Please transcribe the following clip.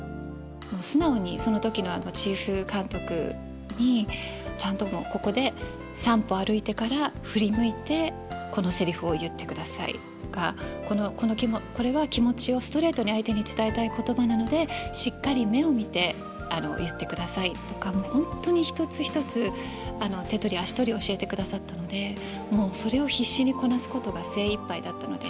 もう素直にその時のチーフ監督にちゃんともう「ここで３歩歩いてから振り向いてこのセリフを言ってください」とか「これは気持ちをストレートに相手に伝えたい言葉なのでしっかり目を見て言ってください」とかもう本当に一つ一つ手取り足取り教えてくださったのでもうそれを必死にこなすことが精いっぱいだったので。